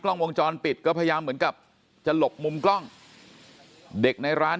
กล้องวงจรปิดก็พยายามเหมือนกับจะหลบมุมกล้องเด็กในร้าน